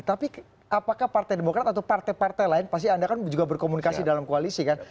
tapi apakah partai demokrat atau partai partai lain pasti anda kan juga berkomunikasi dalam koalisi kan